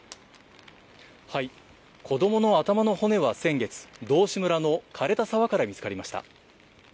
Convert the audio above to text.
子どもの頭の骨は先月、道志村のかれた沢から見つかりました。